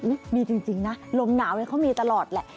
นี่มีจริงนะลมหนาวเขามีตลอดแหละ